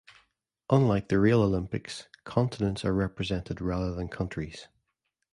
Unlike the real Olympics, continents are represented rather than countries.